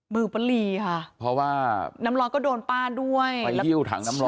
ป้าลีค่ะเพราะว่าน้ำร้อนก็โดนป้าด้วยไปหิ้วถังน้ำร้อน